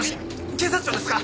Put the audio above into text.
警察庁ですか？